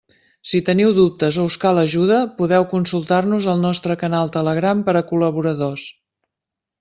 Si teniu dubtes o us cal ajuda podeu consultar-nos al nostre canal Telegram per col·laboradors.